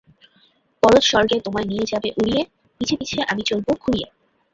পরজ স্বর্গে তোমায় নিয়ে যাবে উড়িয়ে, পিছে পিছে আমি চলব খুঁড়িয়ে।